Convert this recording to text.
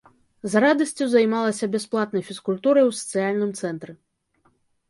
З радасцю займалася бясплатнай фізкультурай у сацыяльным цэнтры.